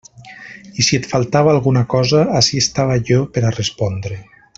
I si et faltava alguna cosa, ací estava jo per a respondre.